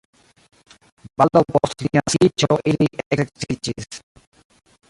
Baldaŭ post lia naskiĝo ili eksedziĝis.